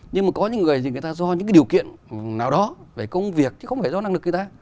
nhưng mà có những người thì người ta do những điều kiện nào đó về công việc chứ không phải do năng lực người ta